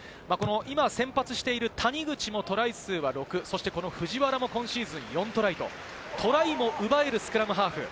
今、先発している谷口もトライ数は６、そしてこの藤原も今シーズン４トライと、トライも奪えるスクラムハーフ。